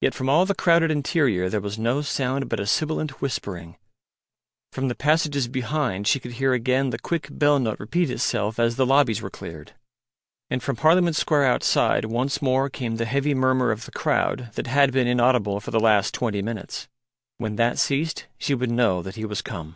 Yet from all the crowded interior there was no sound but a sibilant whispering; from the passages behind she could hear again the quick bell note repeat itself as the lobbies were cleared; and from Parliament Square outside once more came the heavy murmur of the crowd that had been inaudible for the last twenty minutes. When that ceased she would know that he was come.